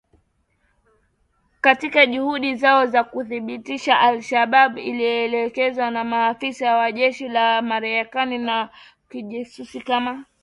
Katika juhudi zao za kuwadhibiti al-Shabaab ilielezewa na maafisa wa jeshi la Marekani na kijasusi kama mshirika tajiri zaidi na mwenye nguvu wa kundi la kigaidi la alkaida